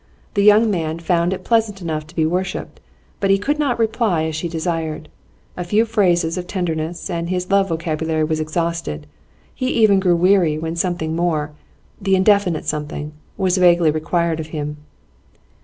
The young man found it pleasant enough to be worshipped, but he could not reply as she desired. A few phrases of tenderness, and his love vocabulary was exhausted; he even grew weary when something more the indefinite something was vaguely required of him.